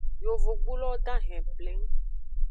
Yovogbulowo dahen pleng.